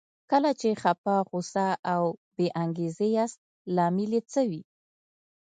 کله چې خپه، غوسه او بې انګېزې ياست لامل يې څه وي؟